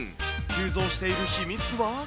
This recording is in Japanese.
急増している秘密は。